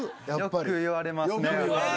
よく言われますね。